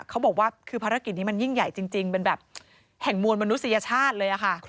เขาบอกว่าคือภารกิจนี้มันยิ่งใหญ่จริงเป็นแบบแห่งมวลมนุษยชาติเลยค่ะ